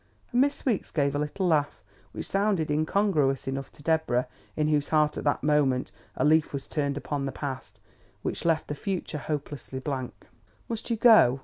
And Miss Weeks gave a little laugh, which sounded incongruous enough to Deborah in whose heart at that moment, a leaf was turned upon the past, which left the future hopelessly blank. "Must you go?"